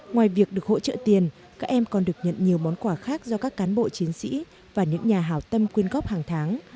ngoài việc được hỗ trợ tiền các em còn được nhận nhiều món quà khác do các cán bộ chiến sĩ và những nhà hảo tâm quyên góp hàng tháng